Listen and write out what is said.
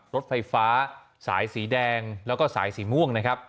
รถไฟฟ้าสายสีแดงแล้วก็สายสีม่วงนะครับ